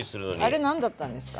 あれ何だったんですか？